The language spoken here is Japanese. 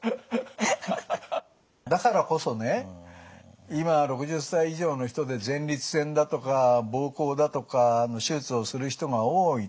だからこそね今６０歳以上の人で前立腺だとか膀胱だとかの手術をする人が多いと。